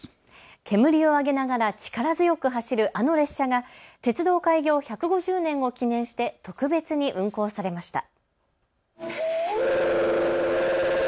煙を上げながら力強く走るあの列車が鉄道開業１５０年を記念して特別に運行されました。